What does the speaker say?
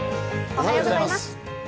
おはようございます。